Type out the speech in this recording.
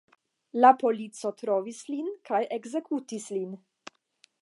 La polico trovis lin kaj ekzekutis lin.